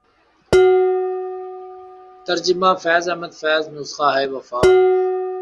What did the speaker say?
ترجمہ فیض احمد فیض نسخہ ہائے وفا